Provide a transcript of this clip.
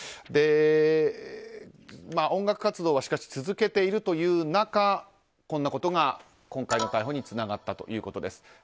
音楽活動はしかし続けているという中こんなことが今回の逮捕につながったということです。